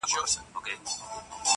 دیداره دومره اعتبار راباندې ولې کوې